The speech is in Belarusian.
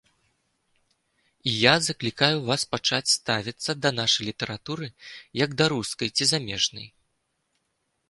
І я заклікаю вас пачаць ставіцца да нашай літаратуры, як да рускай ці замежнай.